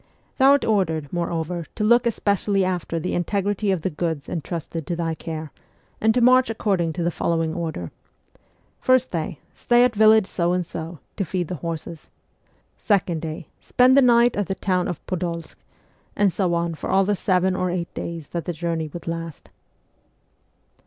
' Thou art ordered, moreover, to look especially after the integrity of the goods entrusted to thy care, and to march according to the following order : First day, stay at village So and So, to feed the horses ; second day, spend the night at the town of Podolsk ;' and so on for all the seven or eight days that the journey would last.